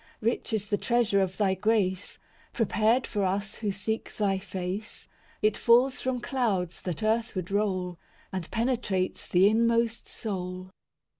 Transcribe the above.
III Rich is the treasure of Thy grace, Prepared for us who seek Thy face; It falls from clouds that earthward roll, And penetrates the inmost soul.